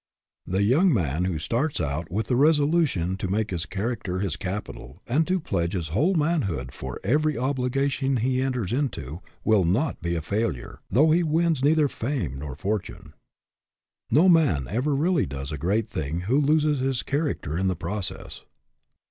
The young man who starts out with the STAND FOR SOMETHING 137 resolution to make his character his capital, and to pledge his whole manhood for every obligation he enters into, will not be a failure, though he wins neither fame nor fortune. No man ever really does a great thing who loses his character in the process.